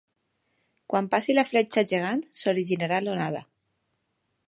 Quan passi la fletxa gegant s’originarà l’onada.